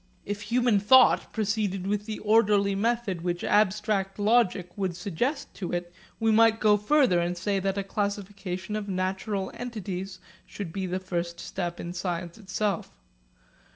If human thought proceeded with the orderly method which abstract logic would suggest to it, we might go further and say that a classification of natural entities should be the first step in science itself.